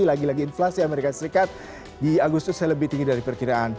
lagi lagi inflasi amerika serikat di agustus saya lebih tinggi dari perkiraan